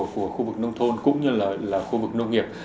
của khu vực nông thôn cũng như là khu vực nông nghiệp